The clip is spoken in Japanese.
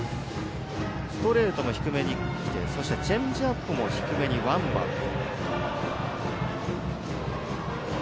ストレートも低めにきてそして、チェンジアップも低めにワンバウンド。